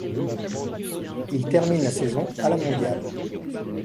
Il termine la saison à la mondiale.